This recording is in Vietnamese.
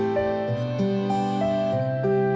thành th improve